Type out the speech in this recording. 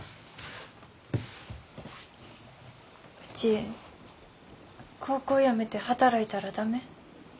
うち高校やめて働いたら駄目？